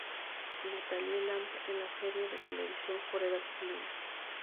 Natalie Lambert en la serie de televisión "Forever Knight".